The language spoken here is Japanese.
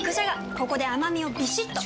ここで甘みをビシッと！